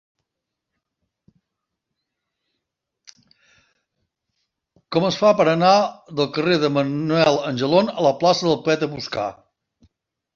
Com es fa per anar del carrer de Manuel Angelon a la plaça del Poeta Boscà?